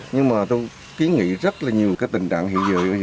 nhưng mà tôi kiến nghị rất là nhiều cái tình trạng hiện giờ